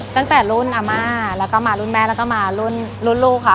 ตั้งแต่รุ่นอาม่าแล้วก็มารุ่นแม่แล้วก็มารุ่นรุ่นลูกค่ะ